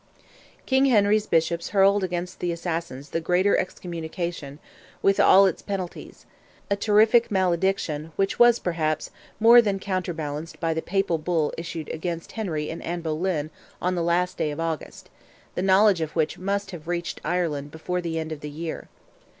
King Henry's Bishops hurled against the assassins the greater excommunication, with all its penalties; a terrific malediction, which was, perhaps, more than counterbalanced by the Papal Bull issued against Henry and Anne Boleyn on the last day of August—the knowledge of which must have reached Ireland before the end of the year.